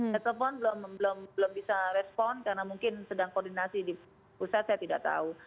saya telepon belum bisa respon karena mungkin sedang koordinasi di pusat saya tidak tahu